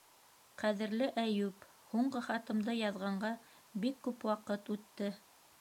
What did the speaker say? Ҡәҙерле Әйүп! һуңғы хатымды яҙғанға бик күп ваҡыт үтте.